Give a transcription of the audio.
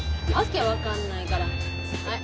訳分かんないからはい。